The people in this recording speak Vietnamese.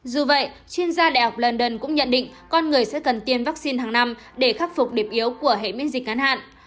dù vậy chuyên gia đại học blanddon cũng nhận định con người sẽ cần tiêm vaccine hàng năm để khắc phục điểm yếu của hệ miễn dịch ngắn hạn